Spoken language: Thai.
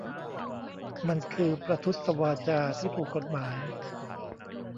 มันคือ "'ประทุษวาจา' ที่ถูกกฎหมาย"